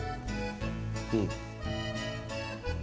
うん？